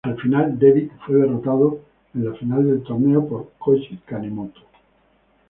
Al final, Devitt fue derrotado en la final del torneo por Koji Kanemoto.